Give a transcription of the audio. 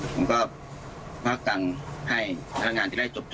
ผมก็พักกันให้พนักงานจะได้จบ